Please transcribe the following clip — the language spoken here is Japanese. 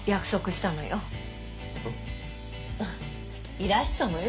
いらしたのよ